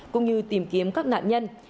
cũng như tìm kiếm các nạn nhân